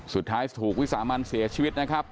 สุดท้ายถูกวิสามันเสียชีวิตนะครับ